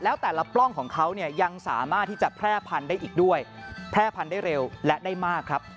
แล้วแต่ละปล้องของเขาเนี่ยยังสามารถที่จะแพร่พันธุ์ได้อีกด้วยแพร่พันธุ์ได้เร็วและได้มากครับ